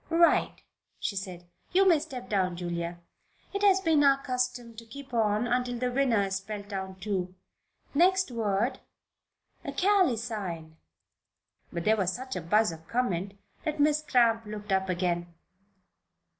"Right," she said. "You may step down, Julia. It has been our custom to keep on until the winner is spelled down, too. Next word, Ruth: 'acalycine.'" But there was such a buzz of comment that Miss Cramp looked up again.